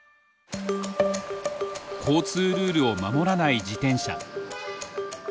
交通ルールを守らない自転車。